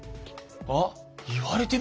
あっ言われてみれば。